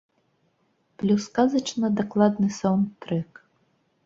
Плюс казачна дакладны саўндтрэк.